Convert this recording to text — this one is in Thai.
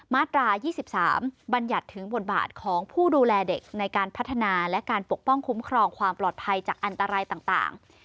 มาตรา๒๓บัญญัติถึงบทบาทของผู้ดูแลเด็กในการพัฒนาและการปกป้องคุ้มครองความปลอดภัยจากอันตรายต่าง